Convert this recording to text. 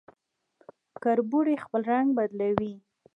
کربوړی خپل رنګ بدلوي